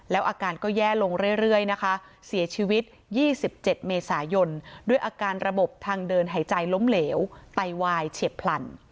แล้วอาการก็แย่ลงเรื่อยนะคะเสียชีวิต๒๗เมษายนด้วยอาการระบบทางเดินหายใจล้มเหลวไตวายเฉียบพลัน